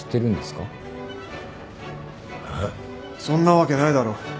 そんなわけないだろ。